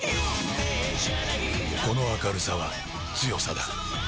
この明るさは強さだ